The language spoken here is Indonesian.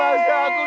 aku tidak dream